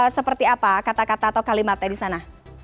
seperti apa kata kata atau kalimatnya disana